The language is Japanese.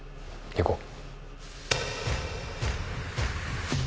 行こう！